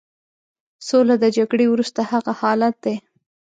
سوله د جګړې وروسته هغه حالت دی.